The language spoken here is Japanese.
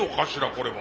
これは。